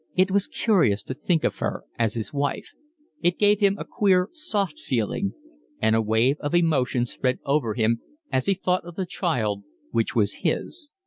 It was curious to think of her as his wife, it gave him a queer, soft feeling; and a wave of emotion spread over him as he thought of the child which was his.